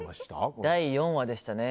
第４話でしたね。